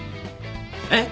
えっ？